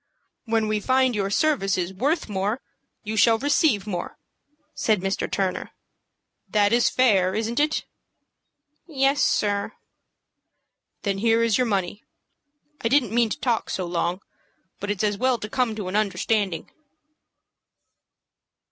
"When we find your services worth more, you shall receive more," said Mr. Turner. "That is fair, isn't it?" "Yes, sir." "Then here is your money. I didn't mean to talk so long; but it's as well to come to an understanding."